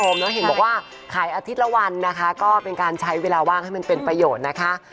แล้วเห็นบอกว่าขายอาทิตย์ละวันนะคะก็เป็นการใช้เวลาว่างให้มันเป็นประโยชน์นะคะ